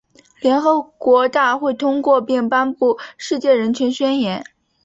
联合国大会通过并颁布《世界人权宣言》。